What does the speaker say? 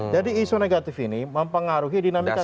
jadi isu negatif ini mempengaruhi dinamika suara